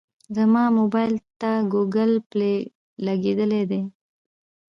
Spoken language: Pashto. زما موبایل ته ګوګل پلی لګېدلی دی.